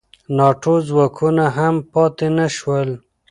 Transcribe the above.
ناټو ځواکونه هم پاتې نه شول.